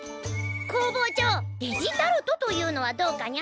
工房長デジタルトというのはどうかにゃ？